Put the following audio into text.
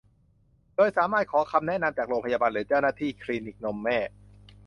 โดยสามารถขอคำแนะนำจากพยาบาลหรือเจ้าหน้าที่คลินิกนมแม่